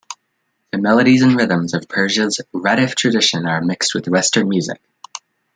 The melodies and rhythms of Persia's radif tradition are mixed with Western music.